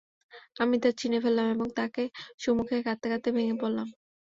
আমি তা চিনে ফেললাম এবং তাকে চুমু খেয়ে কাঁদতে কাঁদতে ভেঙে পড়লাম।